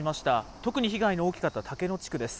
特に被害の大きかった竹野地区です。